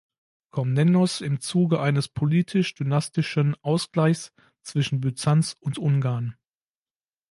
Komnenos im Zuge eines politisch-dynastischen Ausgleichs zwischen Byzanz und Ungarn.